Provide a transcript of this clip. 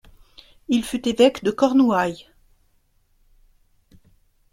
Il fut évêque de Cornouaille.